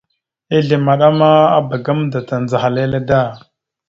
Ezle maɗa ma abak gamẹnda tandzəha lele da.